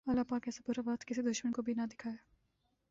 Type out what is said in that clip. اللہ پاک ایسا برا وقت کسی دشمن کو بھی نہ دکھائے